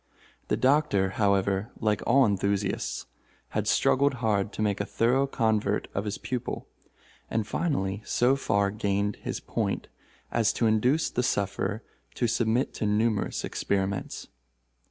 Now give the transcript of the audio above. The Doctor, however, like all enthusiasts, had struggled hard to make a thorough convert of his pupil, and finally so far gained his point as to induce the sufferer to submit to numerous experiments.